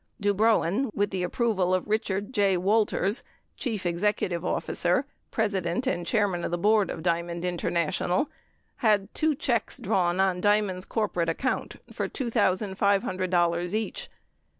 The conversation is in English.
Dubrowin, with the approcal of Richard J. Walters, chief executive officer, president and chairman of the board of Diamond International, had two checks drawn on Diamond's corporate account for $2,500 each.